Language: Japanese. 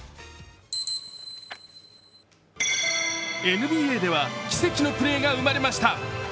ＮＢＡでは軌跡のプレーが生まれました。